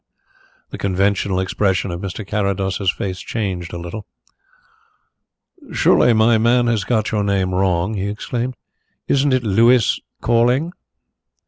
The conventional expression of Mr. Carrados's face changed a little. "Surely my man has got your name wrong?" he explained. "Isn't it Louis Calling?"